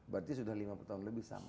berarti sudah lima puluh tahun lebih sama